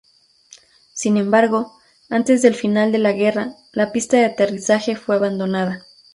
Sin embargo, antes del final de la guerra, la pista de aterrizaje fue abandonada.